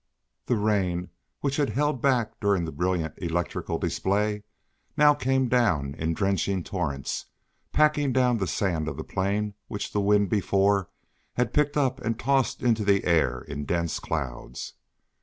The rain, which had held back during the brilliant electrical display, now came down in drenching torrents, packing down the sand of the plain which the wind, before, had picked up and tossed into the air in dense clouds.